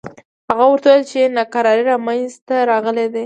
هغه ورته وویل چې ناکراری منځته راغلي دي.